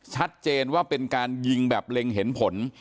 ชัดเจนว่าเป็นการยิงแบบเล็งเห็นผล